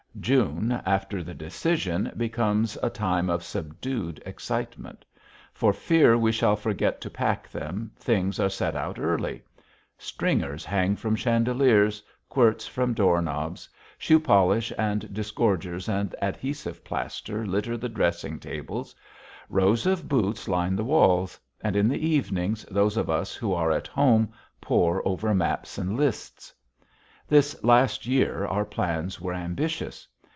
June, after the decision, becomes a time of subdued excitement. For fear we shall forget to pack them, things are set out early. Stringers hang from chandeliers, quirts from doorknobs. Shoe polish and disgorgers and adhesive plaster litter the dressing tables. Rows of boots line the walls. And, in the evenings, those of us who are at home pore over maps and lists. This last year, our plans were ambitious.